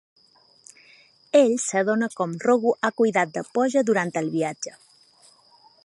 Ell s'adona com Raghu ha cuidat de Pooja durant el viatge.